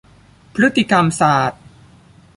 พฤติกรรมศาสตร์